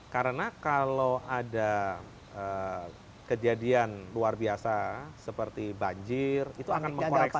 karena kalau ada kejadian luar biasa seperti banjir itu akan mengkoreksi